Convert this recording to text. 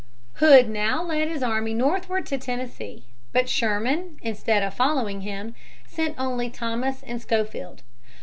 Hood now led his army northward to Tennessee. But Sherman, instead of following him, sent only Thomas and Schofield.